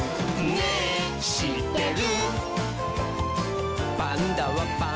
「ねぇしってる？」